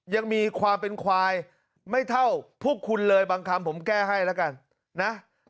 ยังมีความเป็นควายไม่เท่าพวกคุณเลยบางคำผมแก้ให้แล้วกันนะ